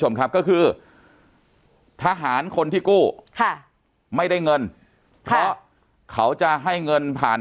ชมครับก็คือทหารคนที่กู้ค่ะไม่ได้เงินเขาจะให้เงินผ่าน